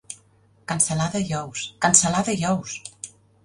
Cansalada i ous, cansalada i ous!